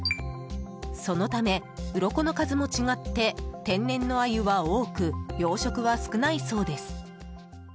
そのため、うろこの数も違って天然のアユは多く養殖は少ないそうです。